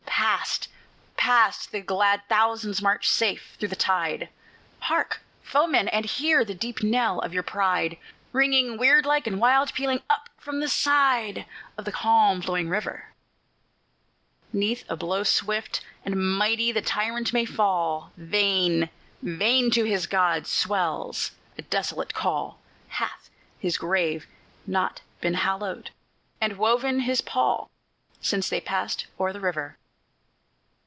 Passed! passed! the glad thousands march safe through the tide; Hark, foeman, and hear the deep knell of your pride, Ringing weird like and wild, pealing up from the side Of the calm flowing river! 'Neath a blow swift and mighty the tyrant may fall; Vain! vain! to his gods swells a desolate call; Hath his grave not been hollowed, and woven his pall, Since they passed o'er the river?